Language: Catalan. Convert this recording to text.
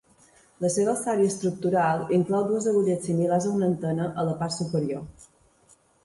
La seva alçària estructural inclou dues agulles similars a una antena a la part superior.